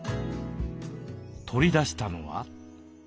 取り出したのは。